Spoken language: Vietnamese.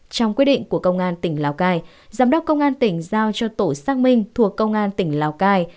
trong quyết định của công an tỉnh lào cai giám đốc công an tỉnh giao cho tổ xác minh thuộc công an tỉnh lào cai